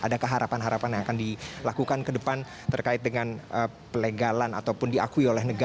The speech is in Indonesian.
adakah harapan harapan yang akan dilakukan ke depan terkait dengan pelegalan ataupun diakui oleh negara